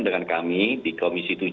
dengan kami di komisi tujuh